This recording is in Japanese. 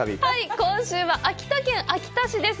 今週は秋田県秋田市です。